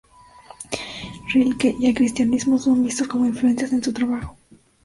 Rilke y el cristianismo son vistos como influencias en su trabajo.